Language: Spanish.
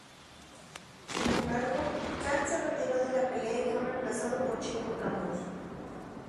Sin embargo, Kang se retiró de la pelea y fue reemplazado por Chico Camus.